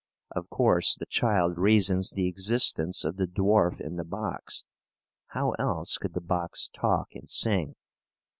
Of course, the child reasons the existence of the dwarf in the box. How else could the box talk and sing?